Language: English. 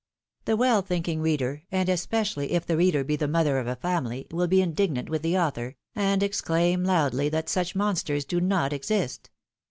The well thinking reader, and especially if the reader be the mother of a family, will be indignant with the author. PHILOM^iNE^S MARRIAGES. 43 and exclaim loudly that such monsters do not exist.